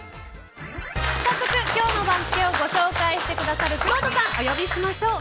早速、今日の番付をご紹介してくださるくろうとさん、お呼びしましょう。